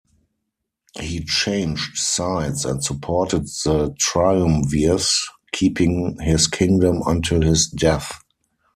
He changed sides and supported the triumvirs, keeping his kingdom until his death.